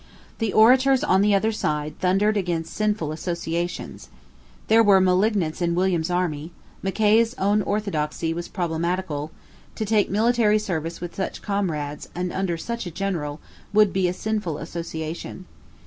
The orators on the other side thundered against sinful associations. There were malignants in William's Army: Mackay's own orthodoxy was problematical: to take military service with such comrades, and under such a general, would be a sinful association.